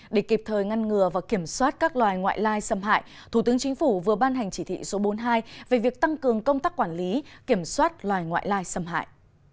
để kịp thời ngăn ngừa và kiểm soát các loài ngoại lai xâm hại thủ tướng chính phủ vừa ban hành chỉ thị số bốn mươi hai về việc tăng cường công tác quản lý kiểm soát loài ngoại lai xâm hại